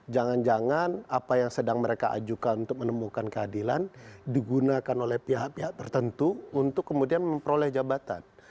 jangan jangan apa yang sedang mereka ajukan untuk menemukan keadilan digunakan oleh pihak pihak tertentu untuk kemudian memperoleh jabatan